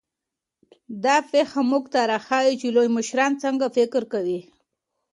دا پېښه موږ ته راښيي چې لوی مشران څنګه فکر کوي.